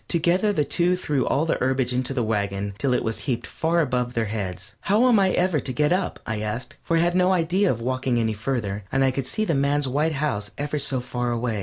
Together the two threw all the herbage into the wagon till it was heaped far above their heads. "How am I ever to get up?" I asked, for I had no idea of walking any farther, and I could see the man's white house ever so far away.